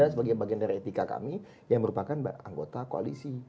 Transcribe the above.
sebagai bagian dari etika kami yang merupakan anggota koalisi